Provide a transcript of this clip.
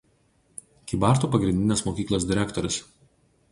Kybartų pagrindinės mokyklos direktorius.